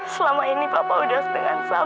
selama ini papa udah dengan sabar